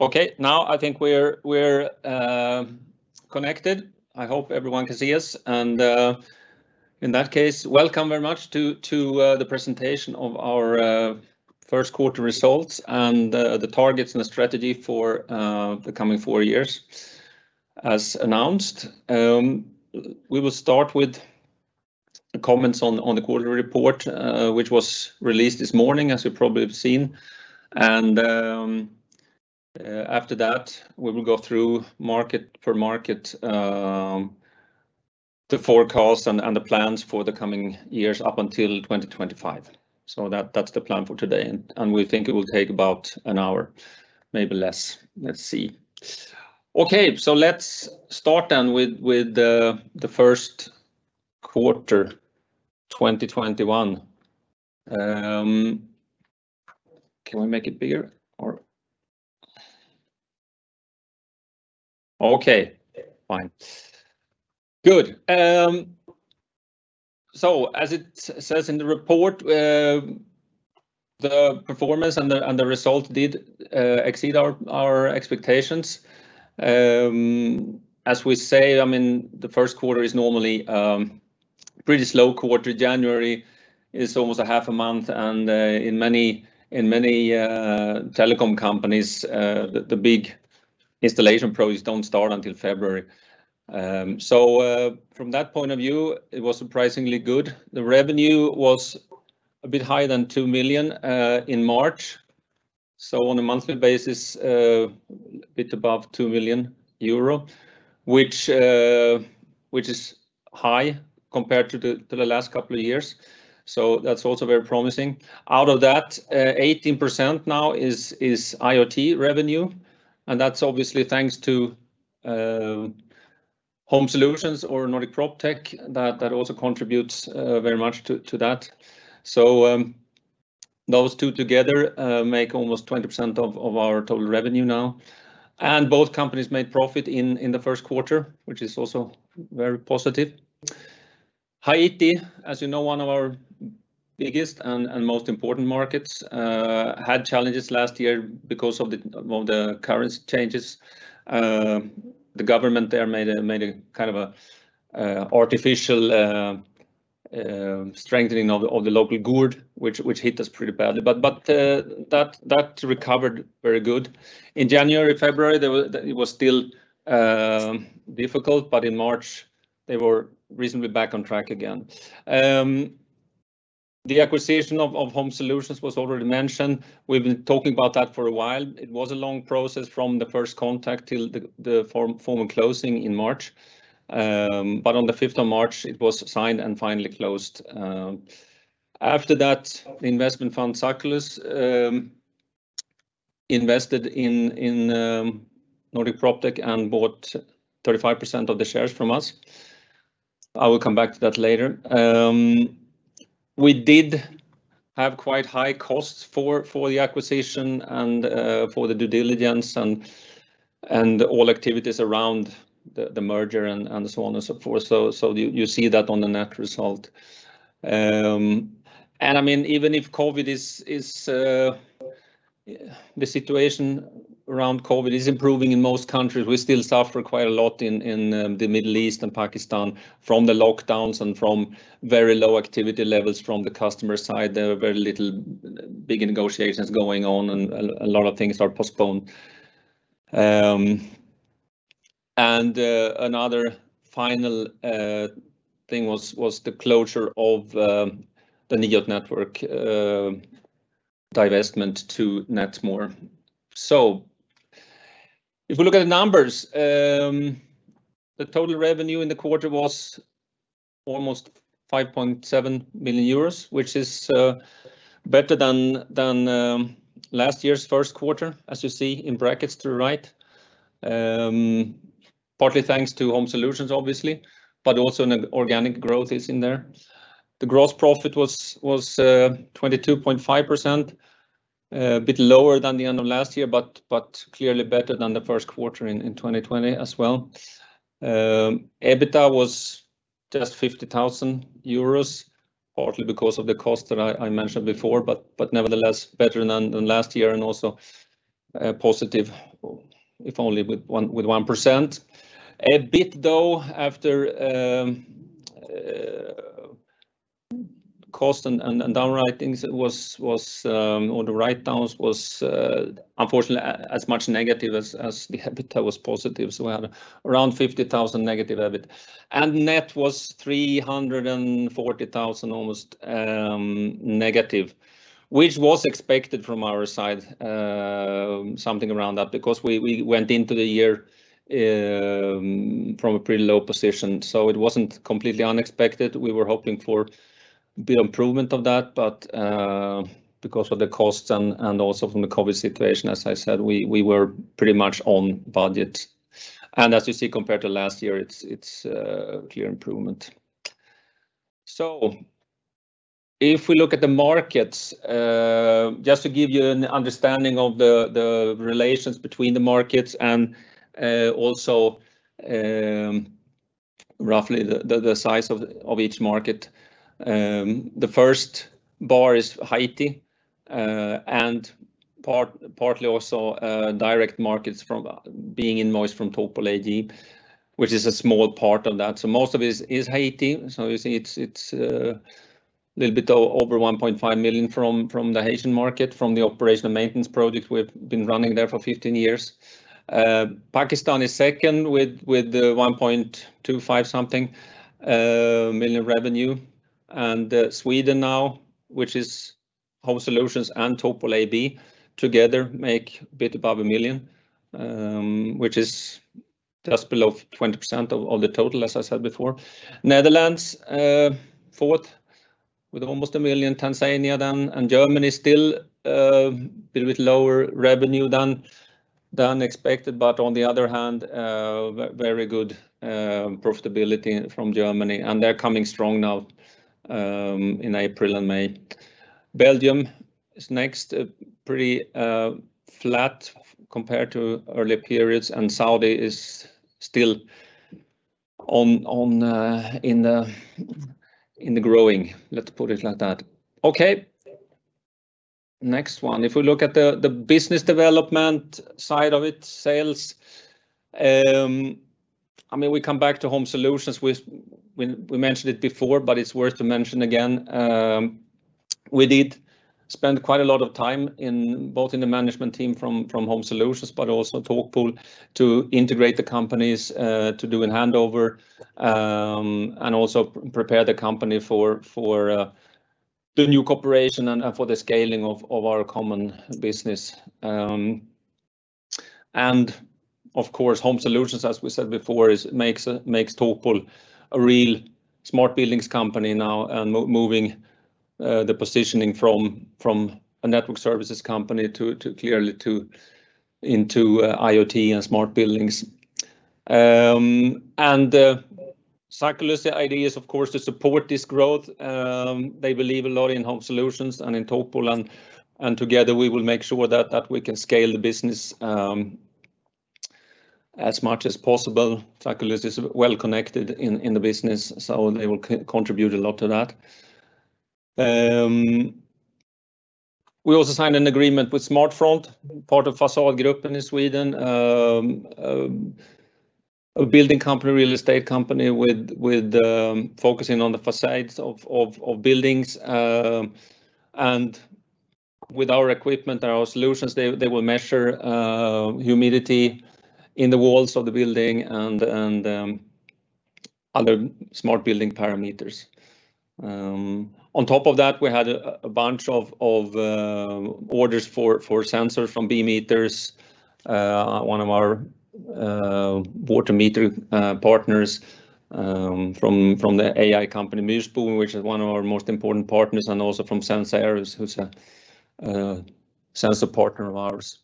Okay. Now I think we're connected. I hope everyone can see us. In that case, welcome very much to the presentation of our first quarter results and the targets and the strategy for the coming four years, as announced. We will start with comments on the quarterly report, which was released this morning, as you probably have seen. After that, we will go through market per market, the forecasts and the plans for the coming years up until 2025. That's the plan for today, and we think it will take about an hour, maybe less. Let's see. Okay. Let's start with the first quarter 2021. Can we make it bigger? Okay, fine. Good. As it says in the report, the performance and the result did exceed our expectations. As we say, the first quarter is normally a pretty slow quarter. January is almost a half a month, and in many telecom companies, the big installation projects don't start until February. From that point of view, it was surprisingly good. The revenue was a bit higher than 2 million in March. On a monthly basis, a bit above 2 million euro, which is high compared to the last couple of years. That's also very promising. Out of that, 18% now is IoT revenue, and that's obviously thanks to Home Solutions or Nordic PropTech. That also contributes very much to that. Those two together make almost 20% of our total revenue now. Both companies made profit in the first quarter, which is also very positive. Haiti, as you know, one of our biggest and most important markets, had challenges last year because of the currency changes. The government there made a kind of artificial strengthening of the local gourde, which hit us pretty badly. That recovered very good. In January, February, it was still difficult, in March, they were reasonably back on track again. The acquisition of Home Solutions was already mentioned. We've been talking about that for a while. It was a long process from the first contact till the formal closing in March. On the 5th of March, it was signed and finally closed. After that, the investment fund, Sacculus, invested in Nordic PropTech and bought 35% of the shares from us. I will come back to that later. We did have quite high costs for the acquisition and for the due diligence and all activities around the merger and so on and so forth. You see that on the net result. Even if the situation around COVID is improving in most countries, we still suffer quite a lot in the Middle East and Pakistan from the lockdowns and from very low activity levels from the customer side. There are very little big negotiations going on, and a lot of things are postponed. Another final thing was the closure of the NIoT network divestment to Netmore. If we look at the numbers, the total revenue in the quarter was almost 5.7 million euros, which is better than last year's first quarter, as you see in brackets to the right. Partly thanks to Home Solutions, obviously, but also organic growth is in there. The gross profit was 22.5%, a bit lower than the end of last year, but clearly better than the first quarter in 2020 as well. EBITDA was just 50,000 euros, partly because of the cost that I mentioned before, nevertheless, better than last year and also positive, if only with 1%. EBIT though, after cost and the write-downs was unfortunately as much negative as the EBITDA was positive. We had around 50,000 negative EBIT. Net was 340,000, almost negative, which was expected from our side something around that because we went into the year from a pretty low position. It wasn't completely unexpected. We were hoping for a bit improvement of that. Because of the costs and also from the COVID situation, as I said, we were pretty much on budget. As you see, compared to last year, it's a clear improvement. If we look at the markets, just to give you an understanding of the relations between the markets and roughly the size of each market. The first bar is Haiti and partly also direct markets being invoiced from TalkPool AB, which is a small part of that. Most of it is Haiti. You see it's a little bit over 1.5 million from the Haitian market, from the operation and maintenance project we've been running there for 15 years. Pakistan is second with 1.25 million revenue. Sweden now, which is Home Solutions and TalkPool AB together make a bit above 1 million, which is just below 20% of the total, as I said before. Netherlands, fourth with almost 1 million. Tanzania, Germany still a bit lower revenue than expected on the other hand, very good profitability from Germany, they're coming strong now in April and May. Belgium is next, pretty flat compared to earlier periods, Saudi is still in the growing, let's put it like that. Next one. If we look at the business development side of it, sales. We come back to Home Solutions. We mentioned it before, it's worth to mention again. We did spend quite a lot of time both in the management team from Home Solutions, also TalkPool to integrate the companies, to do a handover, and also prepare the company for the new cooperation and for the scaling of our common business. Home Solutions, as we said before, makes TalkPool a real smart buildings company now and moving the positioning from a network services company clearly into IoT and smart buildings. Sacculus' idea is, of course, to support this growth. They believe a lot in Home Solutions and in TalkPool, and together we will make sure that we can scale the business as much as possible. Sacculus is well-connected in the business, so they will contribute a lot to that. We also signed an agreement with SmartFront, part of Fasadgruppen in Sweden, a building company, real estate company focusing on the facades of buildings. With our equipment and our solutions, they will measure humidity in the walls of the building and other smart building parameters. On top of that, we had a bunch of orders for sensors from B METERS. One of our water meter partners from the AI company, Myrspoven, which is one of our most important partners, and also from Senseair, who's a sensor partner of ours.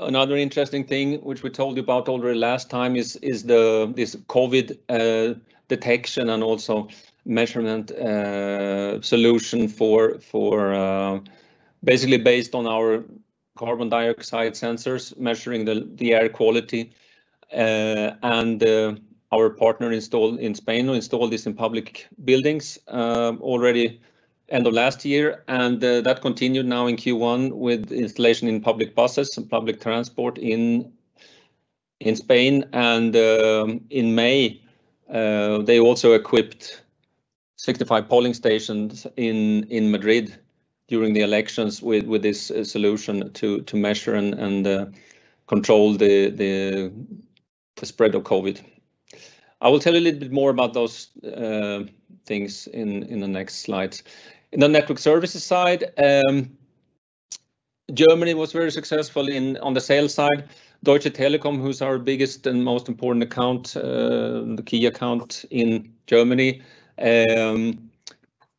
Another interesting thing which we told you about already last time is this COVID detection and also measurement solution basically based on our carbon dioxide sensors measuring the air quality. Our partner in Spain who installed this in public buildings already end of last year. That continued now in Q1 with installation in public buses and public transport in Spain. In May, they also equipped 65 polling stations in Madrid during the elections with this solution to measure and control the spread of COVID. I will tell you a little bit more about those things in the next slides. In the network services side, Germany was very successful on the sales side. Deutsche Telekom, who's our biggest and most important account, the key account in Germany,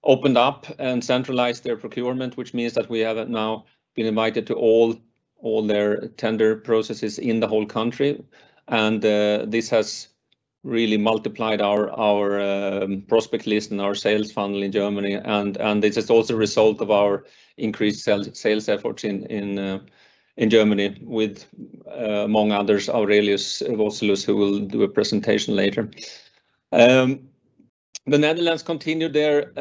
opened up and centralized their procurement, which means that we have now been invited to all their tender processes in the whole country. This has really multiplied our prospect list and our sales funnel in Germany. This is also a result of our increased sales efforts in Germany with, among others, Aurelius Wosylus, who will do a presentation later. The Netherlands continued their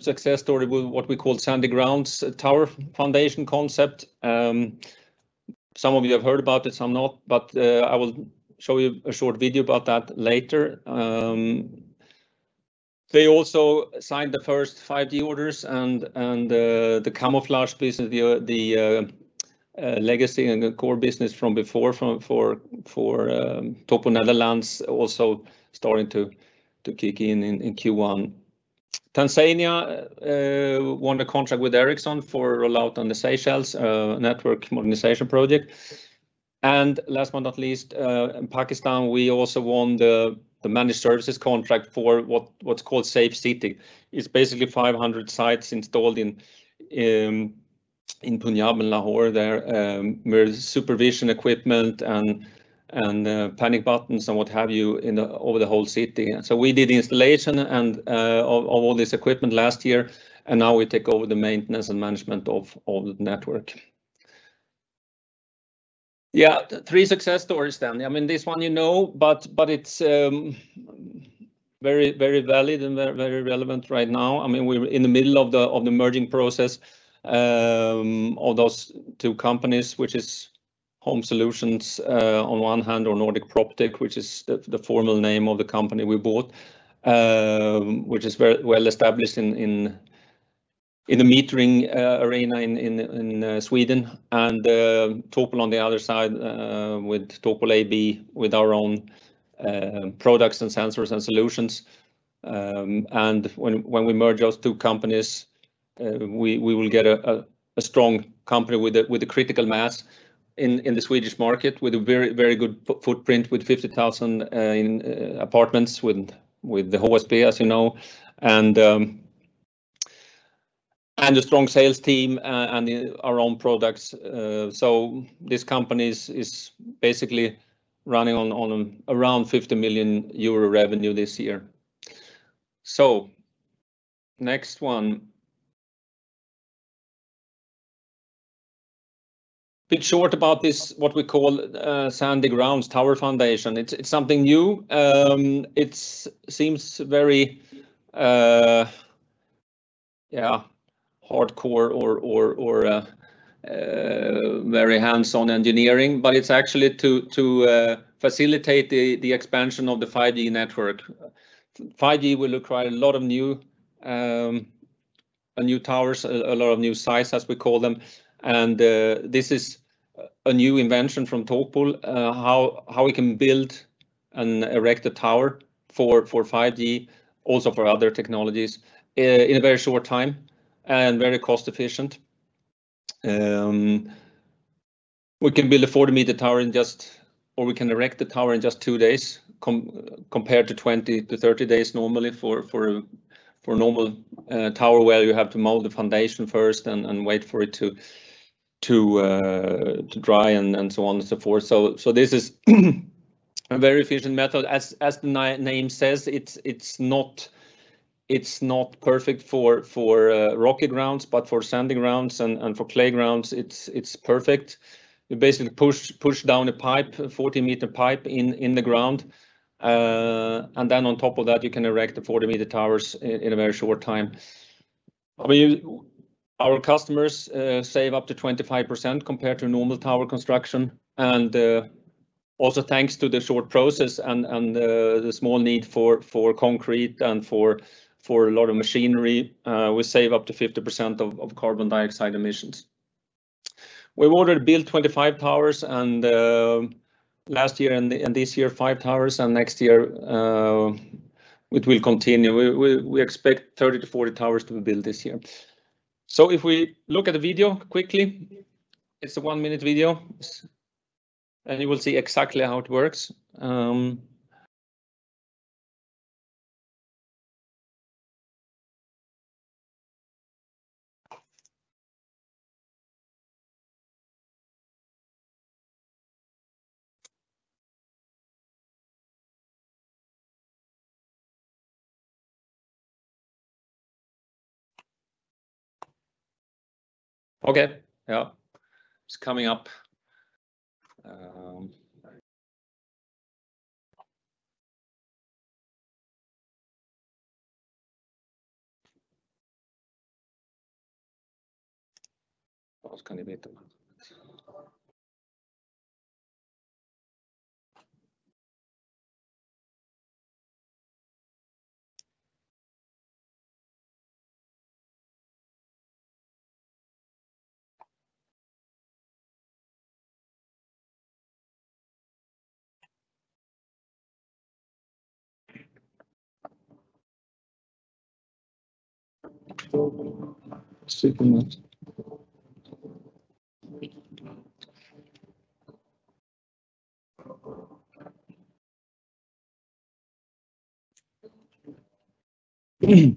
success story with what we call Sandy Grounds Tower Foundation concept. Some of you have heard about this, some not, but I will show you a short video about that later. They also signed the first 5G orders and the camouflage piece of the legacy and the core business from before for TalkPool Netherlands also starting to kick in in Q1. Tanzania won a contract with Ericsson for a rollout on the Seychelles network modernization project. Last but not least, in Pakistan, we also won the managed services contract for what's called Safe City. It's basically 500 sites installed in Punjab and Lahore there, where supervision equipment and panic buttons and what have you in the whole city. We did installation of all this equipment last year, and now we take over the maintenance and management of all the network. Three success stories. This one you know, it's very valid and very relevant right now. We're in the middle of the merging process of those two companies, which is Home Solutions on one hand, or Nordic PropTech, which is the formal name of the company we bought, which is very well established in the metering arena in Sweden. TalkPool on the other side, with TalkPool AB, with our own products and sensors and solutions. When we merge those two companies, we will get a strong company with a critical mass in the Swedish market with a very good footprint, with 50,000 in apartments with the whole suite, as you know. A strong sales team and our own products. This company is basically running on around 50 million euro revenue this year. Next one. Bit short about this, what we call Sandy Grounds Tower Foundation. It's something new. It seems very hardcore or very hands-on engineering, but it's actually to facilitate the expansion of the 5G network. 5G will require a lot of new towers, a lot of new sites as we call them, and this is a new invention from TalkPool, how we can build and erect a tower for 5G, also for other technologies, in a very short time and very cost efficient. We can erect the tower in just two days, compared to 20 to 30 days normally for a normal tower where you have to mold the foundation first and wait for it to dry and so on and so forth. This is a very efficient method. As the name says, it's not perfect for rocky grounds, but for sandy grounds and for playgrounds, it's perfect. You basically push down a 40-meter pipe in the ground. On top of that, you can erect the 40-meter towers in a very short time. Our customers save up to 25% compared to a normal tower construction, and also thanks to the short process and the small need for concrete and for a lot of machinery, we save up to 50% of carbon dioxide emissions. We've already built 25 towers last year and this year, five towers, and next year, it will continue. We expect 30 to 40 towers to be built this year. If we look at the video quickly, it's a one-minute video, and you will see exactly how it works. Okay. Yeah. It's coming up. I was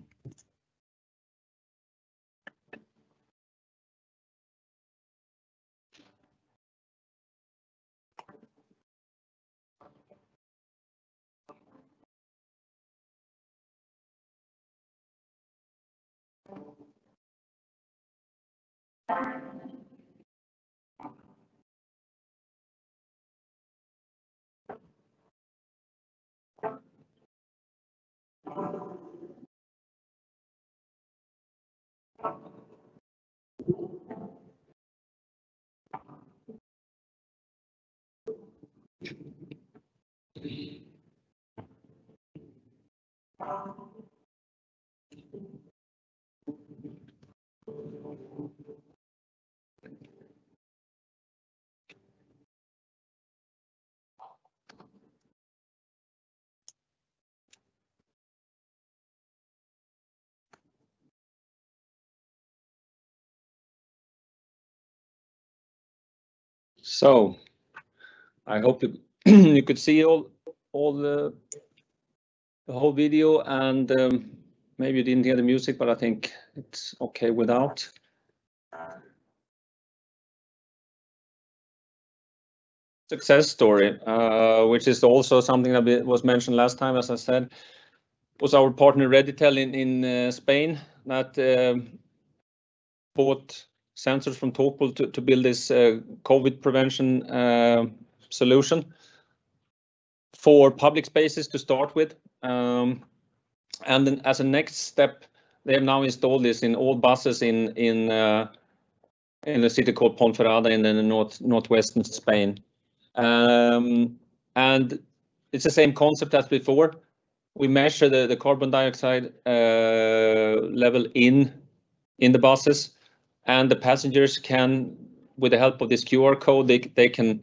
going to wait a minute. I hope you could see the whole video and maybe you didn't hear the music, but I think it's okay without. Success story, which is also something that was mentioned last time, as I said, was our partner, Redytel, in Spain that bought sensors from TalkPool to build this COVID prevention solution for public spaces to start with. Then as a next step, they have now installed this in all buses in a city called Ponferrada in the northwestern Spain. It's the same concept as before. We measure the carbon dioxide level in the buses, and the passengers can, with the help of this QR code, they can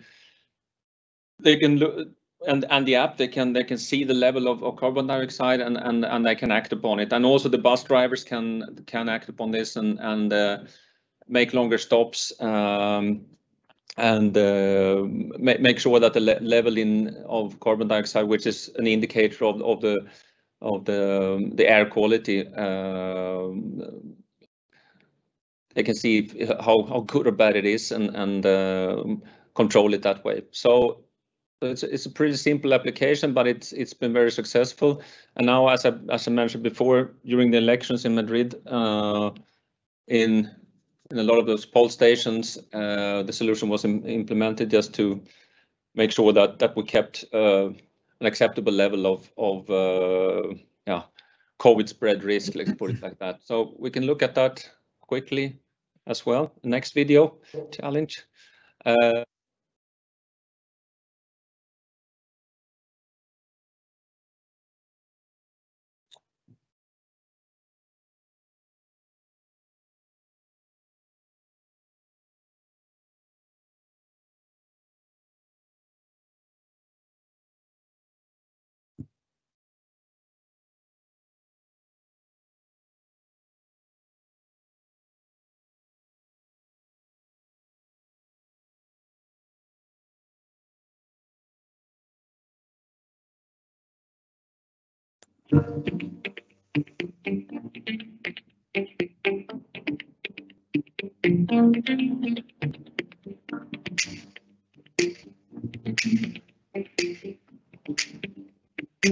look and the app, they can see the level of carbon dioxide and they can act upon it. Also the bus drivers can act upon this and make longer stops, and make sure that the level of carbon dioxide, which is an indicator of the air quality, they can see how good or bad it is and control it that way. It's a pretty simple application, but it's been very successful. Now, as I mentioned before, during the elections in Madrid, in a lot of those poll stations, the solution was implemented just to make sure that we kept an acceptable level of COVID spread risk. Let's put it like that. We can look at that quickly as well. Next video challenge. Okay. It's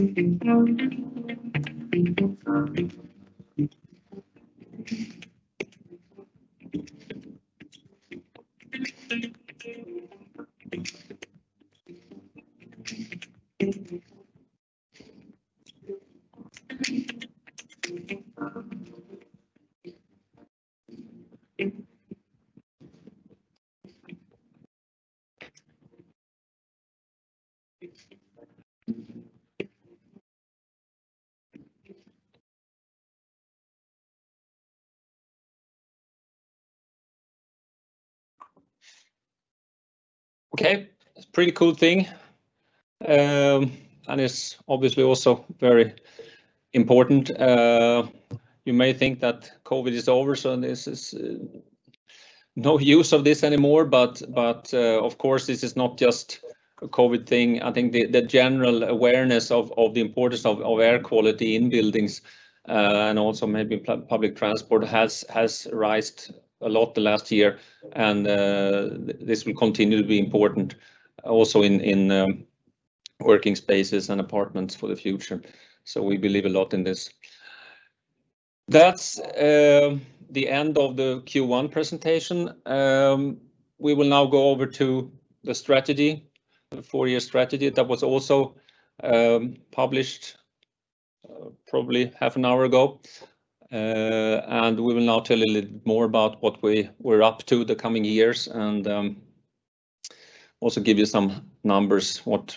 a pretty cool thing. It's obviously also very important. You may think that COVID is over, there's no use of this anymore, but of course, this is not just a COVID thing. I think the general awareness of the importance of air quality in buildings, and also maybe public transport has rised a lot the last year. This will continue to be important also in working spaces and apartments for the future. We believe a lot in this. That's the end of the Q1 presentation. We will now go over to the strategy, the four-year strategy that was also published probably half an hour ago. We will now tell a little bit more about what we're up to the coming years and also give you some numbers, what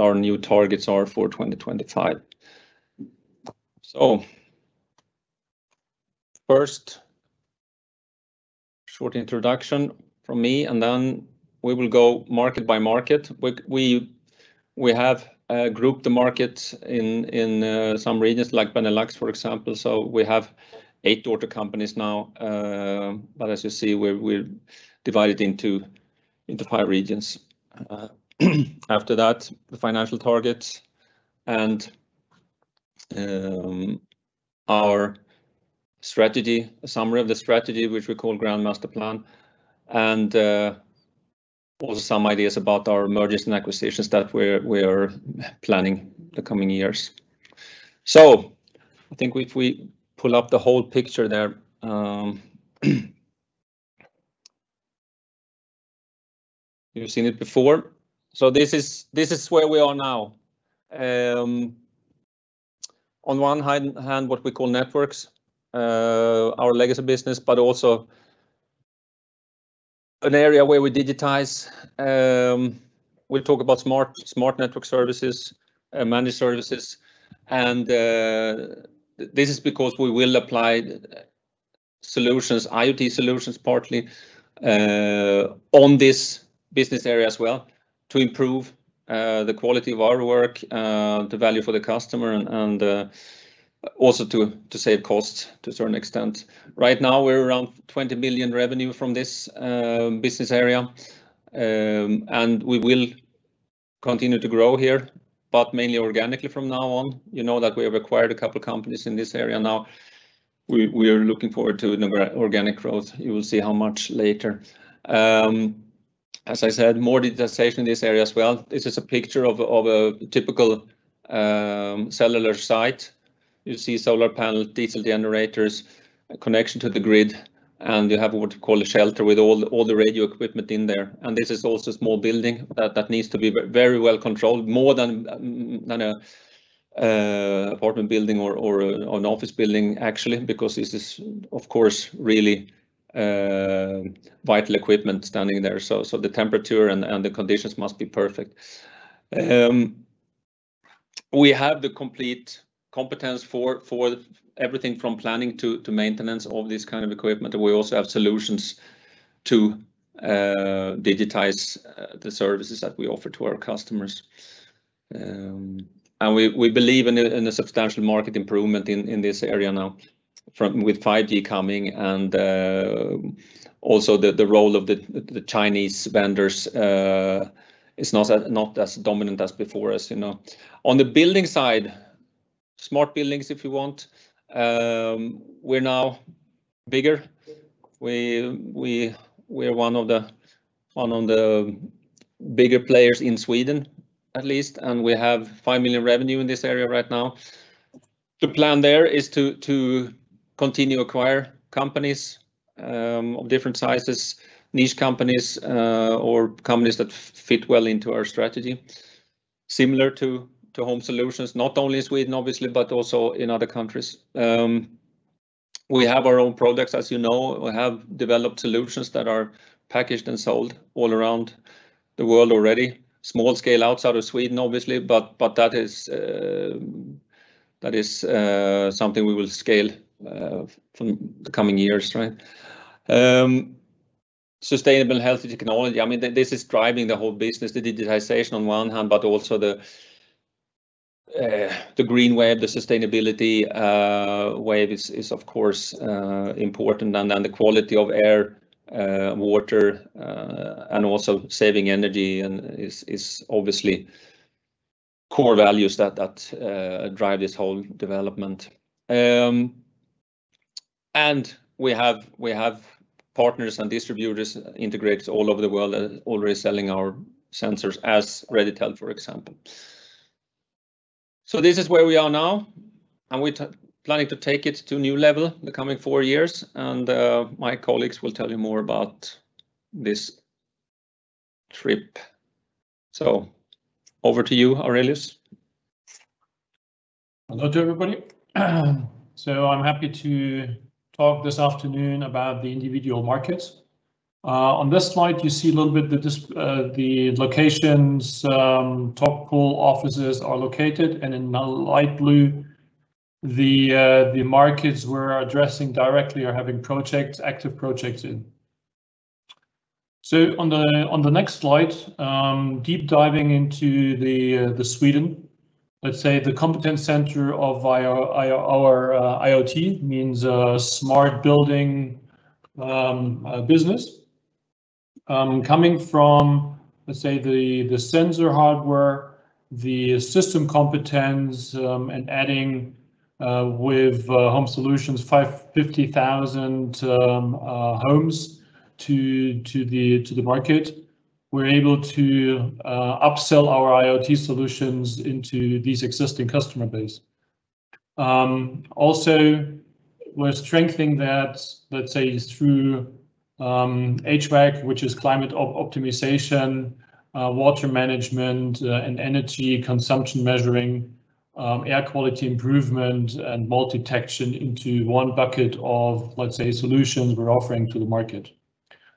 our new targets are for 2025. First, short introduction from me, and then we will go market by market. We have grouped the markets in some regions like Benelux, for example. We have eight daughter companies now. As you see, we're divided into five regions. After that, the financial targets and our strategy, a summary of the strategy, which we call grand master plan. Also some ideas about our mergers and acquisitions that we are planning the coming years. I think if we pull up the whole picture there. You've seen it before. This is where we are now. On one hand, what we call networks, our legacy business, but also an area where we digitize. We'll talk about smart network services, managed services. This is because we will apply solutions, IoT solutions partly, on this business area as well to improve the quality of our work, the value for the customer and also to save costs to a certain extent. Right now, we're around 20 million revenue from this business area. We will continue to grow here, but mainly organically from now on. You know that we have acquired a couple of companies in this area now. We are looking forward to organic growth. You will see how much later. As I said, more digitization in this area as well. This is a picture of a typical cellular site. You see solar panels, diesel generators, connection to the grid, and you have what you call a shelter with all the radio equipment in there. This is also a small building that needs to be very well controlled, more than an apartment building or an office building, actually, because this is, of course, really vital equipment standing there. The temperature and the conditions must be perfect. We have the complete competence for everything from planning to maintenance, all this kind of equipment. We also have solutions to digitize the services that we offer to our customers. We believe in a substantial market improvement in this area now with 5G coming and also that the role of the Chinese vendors is not as dominant as before, as you know. On the building side, smart buildings, if you want, we're now bigger. We're one of the bigger players in Sweden at least, and we have 5 million revenue in this area right now. The plan there is to continue to acquire companies of different sizes, niche companies, or companies that fit well into our strategy similar to Home Solutions, not only Sweden, obviously, but also in other countries. We have our own products, as you know. We have developed solutions that are packaged and sold all around the world already. Small scale outside of Sweden, obviously, but that is something we will scale from the coming years. Sustainable health technology, this is driving the whole business, the digitization on one hand, but also the green wave, the sustainability wave is of course important and the quality of air, water, and also saving energy is obviously core values that drive this whole development. We have partners and distributors integrated all over the world already selling our sensors as Redytel, for example. This is where we are now, and we plan to take it to a new level in the coming four years, and my colleagues will tell you more about this trip. Over to you, Aurelius. Hello to everybody. I'm happy to talk this afternoon about the individual markets. On this slide, you see a little bit the locations TalkPool offices are located, and in light blue, the markets we're addressing directly are having active projects in. On the next slide, deep diving into Sweden, let's say the competence center of our IoT means smart building business. Coming from, let's say, the sensor hardware, the system competence, and adding with Home Solutions 50,000 homes to the market, we're able to upsell our IoT solutions into this existing customer base. Also, we're strengthening that, let's say, through HVAC, which is climate optimization, water management, and energy consumption measuring, air quality improvement, and mold detection into one bucket of, let's say, solutions we're offering to the market.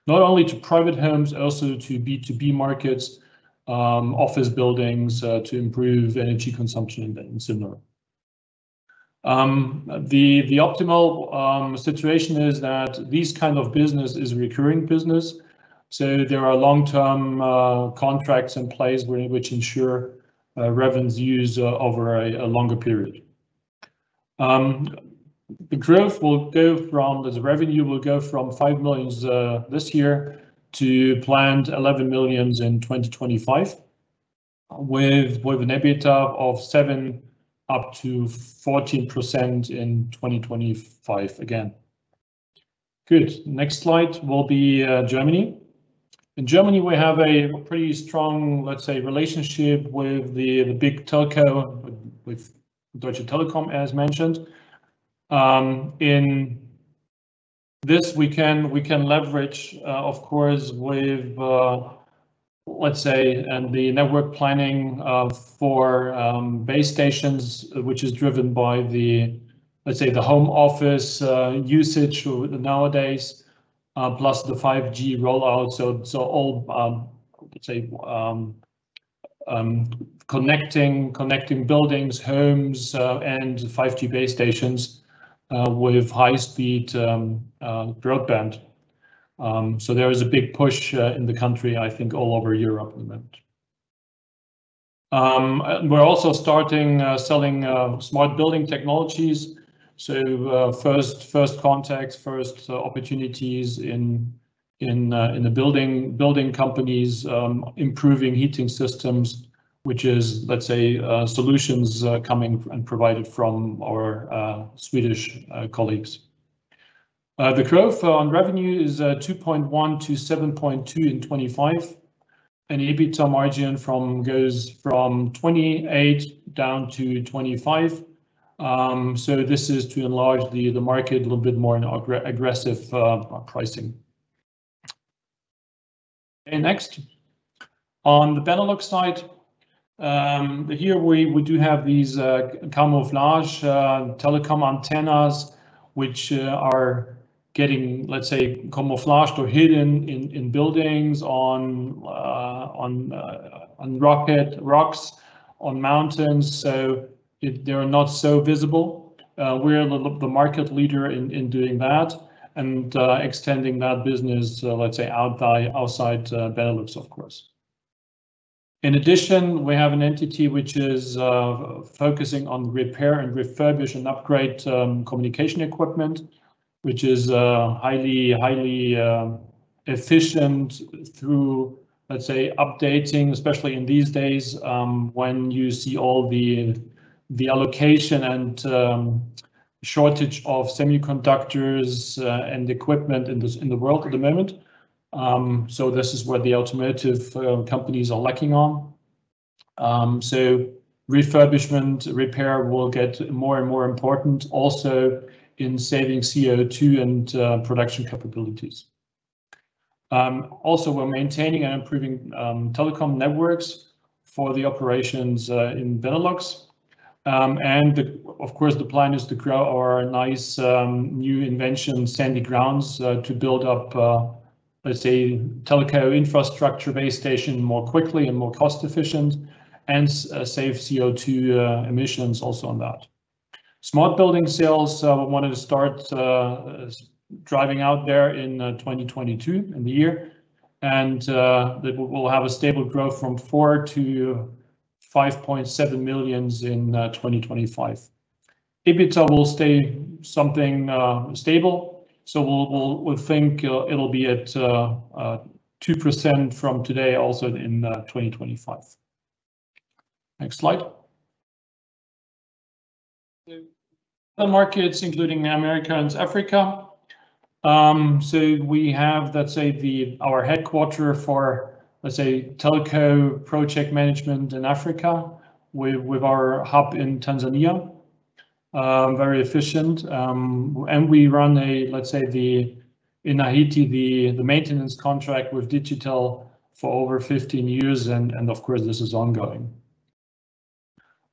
Not only to private homes, also to B2B markets, office buildings to improve energy consumption and similar. The optimal situation is that this kind of business is recurring business, so there are long-term contracts in place which ensure revenues over a longer period. The revenue will go from 5 million this year to planned 11 million in 2025, with an EBITDA of 7% up to 14% in 2025 again. Good. Next slide will be Germany. In Germany, we have a pretty strong relationship with the big telco, with Deutsche Telekom, as mentioned. In this we can leverage, of course, with the network planning for base stations, which is driven by the home office usage nowadays, plus the 5G rollout. All connecting buildings, homes, and 5G base stations with high-speed broadband. There is a big push in the country, I think all over Europe at the moment. We're also starting selling smart building technologies. First contacts, first opportunities in the building companies, improving heating systems, which is, let's say, solutions coming and provided from our Swedish colleagues. The growth on revenue is 2.1 million-7.2 million in 2025. EBITDA margin goes from 28% down to 25%. This is to enlarge the market a little bit more in aggressive pricing. Next. On the Benelux side, here we do have these camouflage telecom antennas, which are getting, let's say, camouflaged or hidden in buildings, on rocks, on mountains, so they are not so visible. We're the market leader in doing that and extending that business, let's say, outside Benelux, of course. In addition, we have an entity which is focusing on repair and refurbish and upgrade communication equipment, which is highly efficient through, let's say, updating, especially in these days, when you see all the allocation and shortage of semiconductors and equipment in the world at the moment. This is what the automotive companies are lacking on. Refurbishment, repair will get more and more important also in saving CO2 and production capabilities. We're maintaining and improving telecom networks for the operations in Benelux. Of course, the plan is to grow our nice new invention, Sandy Grounds, to build up, let's say, telecom infrastructure base station more quickly and more cost-efficient and save CO2 emissions also on that. Smart building sales, we wanted to start driving out there in 2022, in the year. That will have a stable growth from 4 million to 5.7 million in 2025. EBITDA will stay something stable. We think it'll be at 2% from today, also in 2025. Next slide. The other markets, including the Americas, Africa. We have our headquarter for telecom project management in Africa with our hub in Tanzania. Very efficient. We run a in Haiti, the maintenance contract with Digicel for over 15 years, of course, this is ongoing.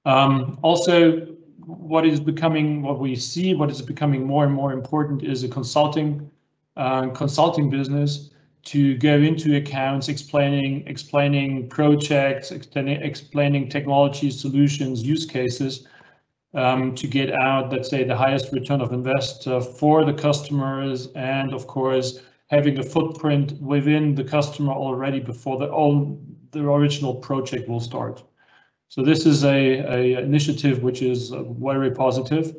Also, what we see, what is becoming more and more important is the consulting business to go into accounts, explaining projects, explaining technology solutions, use cases, to get out the highest return of invest for the customers of course, having a footprint within the customer already before their original project will start. This is an initiative which is very positive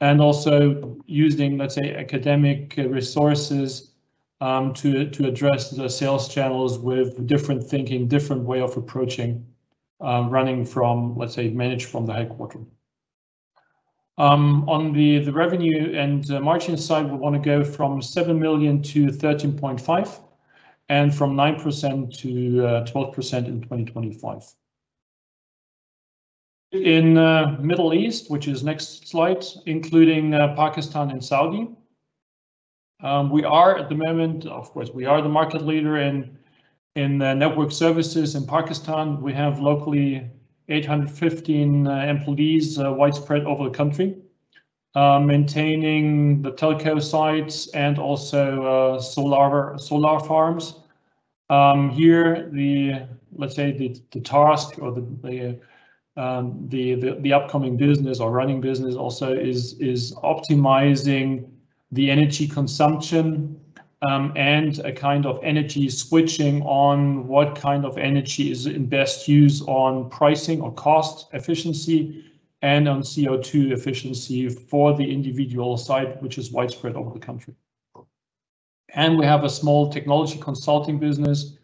and also using, let's say, academic resources to address the sales channels with different thinking, different way of approaching, running from, let's say, managed from the headquarter. On the revenue and margin side, we want to go from 7 million to 13.5 million and from 9% to 12% in 2025. In Middle East, which is next slide, including Pakistan and Saudi. We are at the moment, of course, we are the market leader in network services in Pakistan. We have locally 815 employees widespread over the country, maintaining the telecom sites and also solar farms. Here, let's say, the task or the upcoming business or running business also is optimizing the energy consumption and a kind of energy switching on what kind of energy is in best use on pricing or cost efficiency and on CO2 efficiency for the individual site, which is widespread over the country. We have a small technology consulting business,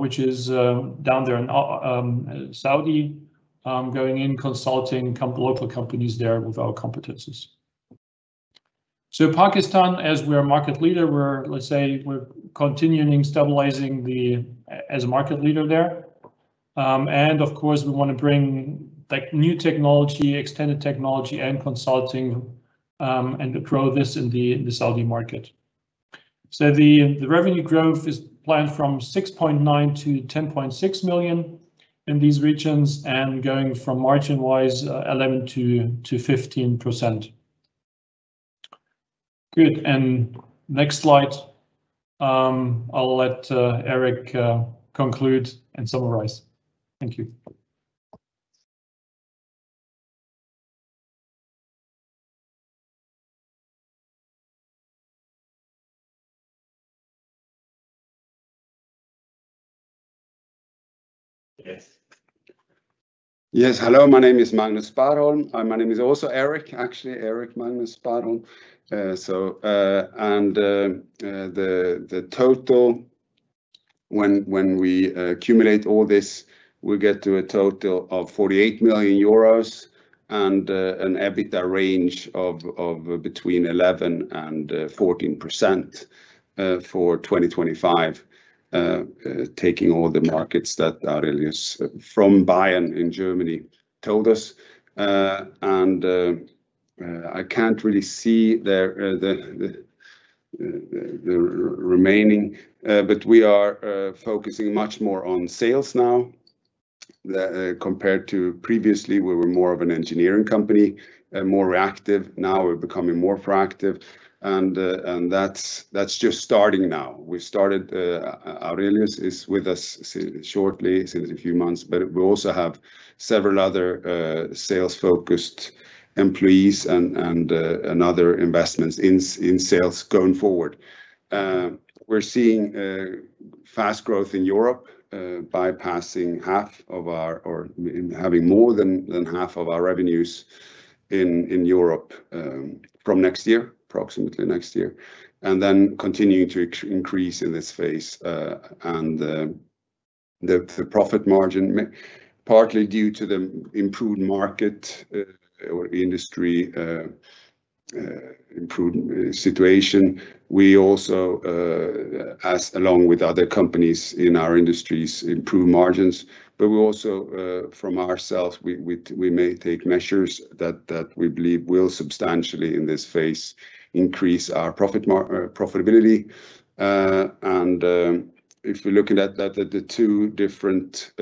which is down there in Saudi, going in consulting a couple of local companies there with our competencies. Pakistan, as we're market leader, let's say we're continuing stabilizing as a market leader there. Of course, we want to bring new technology, extended technology and consulting, and to grow this in the Saudi market. The revenue growth is planned from 6.9 million to 10.6 million in these regions and going from margin wise, 11%-15%. Good. Next slide, I'll let Erik conclude and summarize. Thank you. Yes. Hello, my name is Magnus Sparrholm. My name is also Erik, actually. Erik Magnus Sparrholm. When we accumulate all this, we get to a total of 48 million euros and an EBITDA range of between 11% and 14% for 2025, taking all the markets that Aurelius from Bayern in Germany told us. I can't really see the remaining, but we are focusing much more on sales now compared to previously, we were more of an engineering company and more reactive. Now we're becoming more proactive and that's just starting now. We started, Aurelius is with us shortly, since a few months, but we also have several other sales-focused employees and other investments in sales going forward. We're seeing fast growth in Europe, having more than half of our revenues in Europe from approximately next year, continuing to increase in this phase. The profit margin, partly due to the improved market or industry improved situation. We also, along with other companies in our industries, improve margins. We also, from ourselves, we may take measures that we believe will substantially, in this phase, increase our profitability. If we're looking at the two different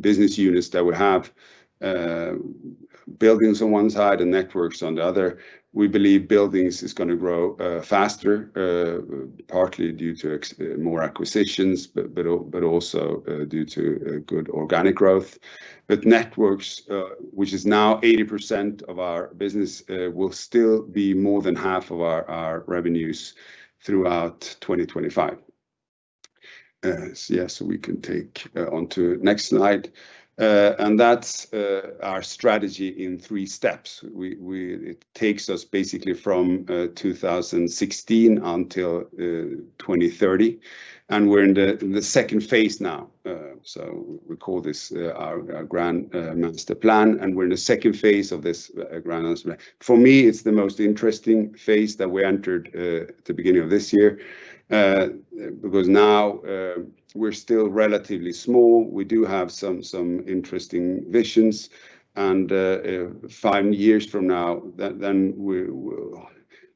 business units that we have, buildings on one side and networks on the other, we believe buildings is going to grow faster, partly due to more acquisitions, but also due to good organic growth. Networks, which is now 80% of our business, will still be more than half of our revenues throughout 2025. We can take onto next slide. That's our strategy in three steps. It takes us basically from 2016 until 2030. We're in the second phase now. We call this our grand master plan. We're in the second phase of this grand master plan. For me, it's the most interesting phase that we entered at the beginning of this year because now we're still relatively small. We do have some interesting visions. Five years from now,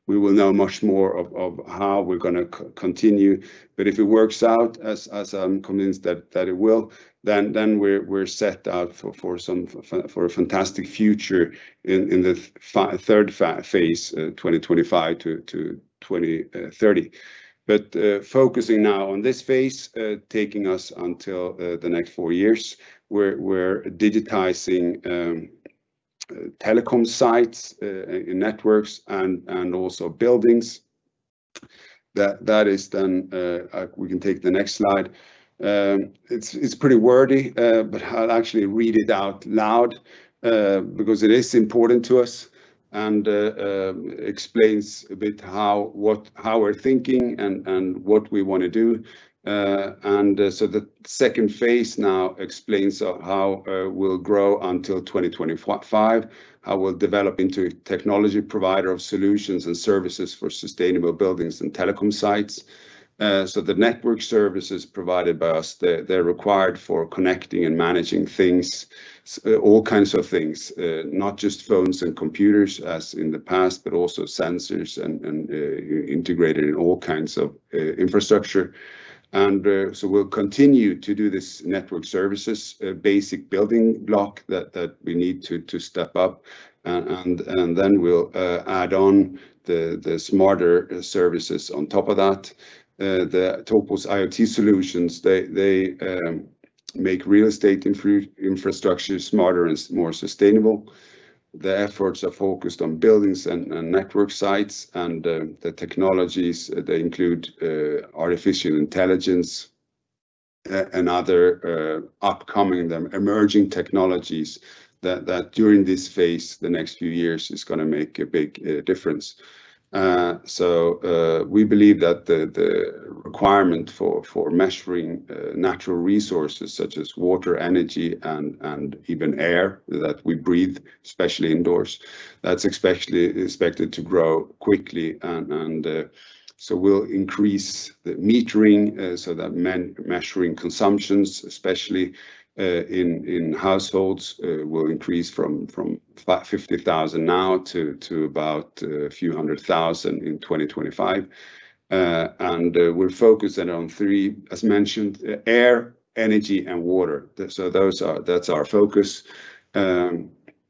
we will know much more of how we're going to continue. If it works out, as I'm convinced that it will, we're set out for a fantastic future in the third phase, 2025-2030. Focusing now on this phase taking us until the next four years, we're digitizing telecom sites, networks, and also buildings. We can take the next slide. It's pretty wordy, but I'll actually read it out loud because it is important to us and explains a bit how we're thinking and what we want to do. The second phase now explains how we'll grow until 2025, how we'll develop into a technology provider of solutions and services for sustainable buildings and telecom sites. The network services provided by us, they're required for connecting and managing things, all kinds of things. Not just phones and computers as in the past, but also sensors and integrated all kinds of infrastructure. We'll continue to do this network services basic building block that we need to step up, and then we'll add on the smarter services on top of that. The TalkPool IoT solutions, they make real estate infrastructure smarter and more sustainable. The efforts are focused on buildings and network sites. The technologies they include artificial intelligence and other upcoming emerging technologies that during this phase, the next few years, is going to make a big difference. We believe that the requirement for measuring natural resources such as water, energy, and even air that we breathe, especially indoors, that's especially expected to grow quickly. We'll increase the metering so that measuring consumptions, especially in households, will increase from 50,000 now to about a few hundred thousand in 2025. We'll focus it on three, as mentioned, air, energy, and water. That's our focus.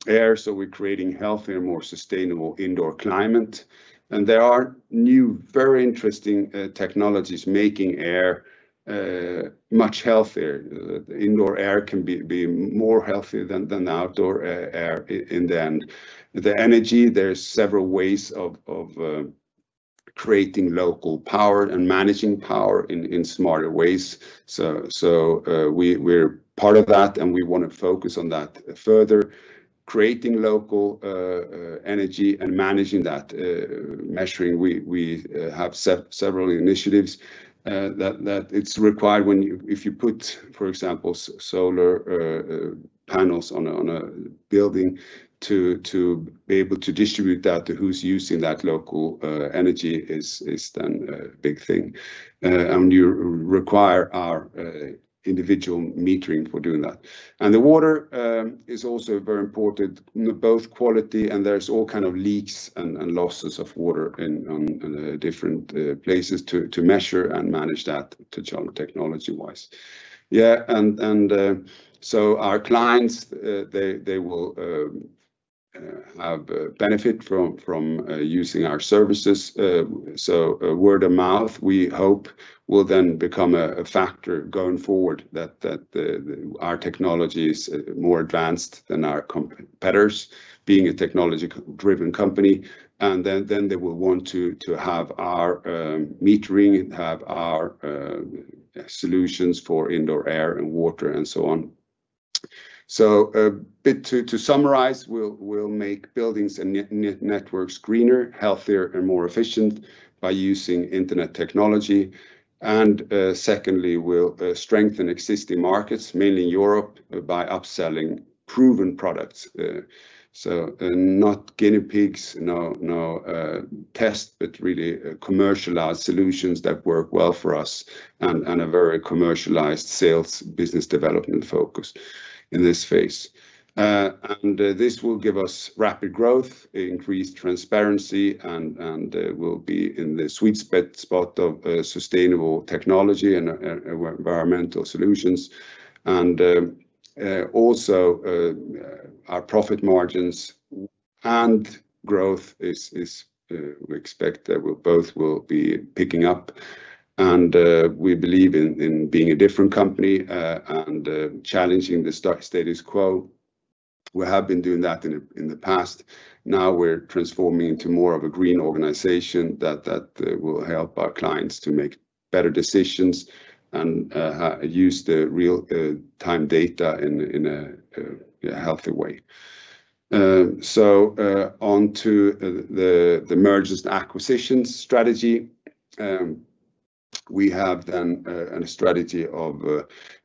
Air. We're creating healthier, more sustainable indoor climate. There are new, very interesting technologies making air much healthier. Indoor air can be more healthy than outdoor air in the end. The energy, there's several ways of creating local power and managing power in smarter ways. We're part of that, and we want to focus on that further. Creating local energy and managing that. Measuring, we have several initiatives that it's required if you put, for example, solar panels on a building to be able to distribute that to who's using that local energy is then a big thing. You require our individual metering for doing that. The water is also very important, both quality and there's all kind of leaks and losses of water in different places to measure and manage that technology-wise. Our clients, they will have benefit from using our services. Word of mouth, we hope, will then become a factor going forward that our technology is more advanced than our competitors, being a technology-driven company. They will want to have our metering and have our solutions for indoor air and water and so on. A bit to summarize, we'll make buildings and networks greener, healthier, and more efficient by using internet technology. Secondly, we'll strengthen existing markets, mainly Europe, by upselling proven products. Not guinea pigs, no test, but really commercialized solutions that work well for us and a very commercialized sales business development focus in this phase. This will give us rapid growth, increased transparency, and we'll be in the sweet spot of sustainable technology and environmental solutions. Also our profit margins and growth is, we expect that both will be picking up. We believe in being a different company and challenging the status quo. We have been doing that in the past. Now we're transforming into more of a green organization that will help our clients to make better decisions and use the real-time data in a healthy way. Onto the mergers and acquisitions strategy. We have then a strategy of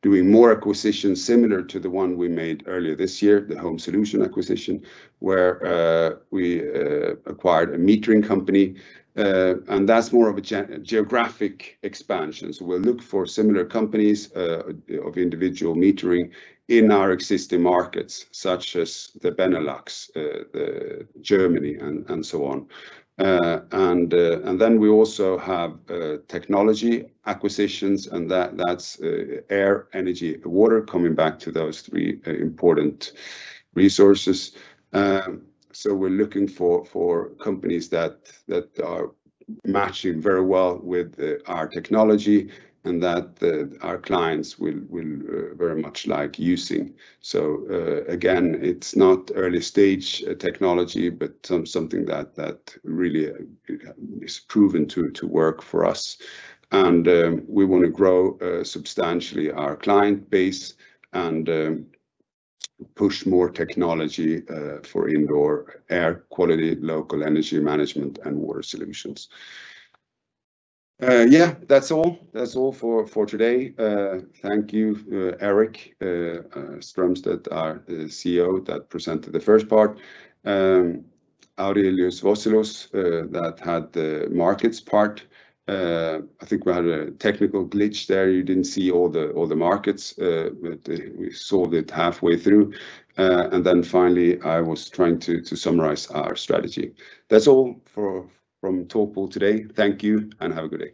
doing more acquisitions similar to the one we made earlier this year, the Home Solutions acquisition, where we acquired a metering company. That's more of a geographic expansion. We'll look for similar companies of individual metering in our existing markets, such as the Benelux, Germany, and so on. We also have technology acquisitions, and that's air, energy, water, coming back to those three important resources. We're looking for companies that are matching very well with our technology and that our clients will very much like using. Again, it's not early stage technology, but something that really is proven to work for us. We want to grow substantially our client base and push more technology for indoor air quality, local energy management, and water solutions. Yeah. That's all. That's all for today. Thank you, Erik Strömstedt, our CEO, that presented the first part. Aurelius Wosylus, that had the markets part. I think we had a technical glitch there. You didn't see all the markets, but we solved it halfway through. Finally, I was trying to summarize our strategy. That's all from TalkPool today. Thank you and have a good day.